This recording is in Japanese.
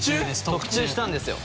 特注したんですよ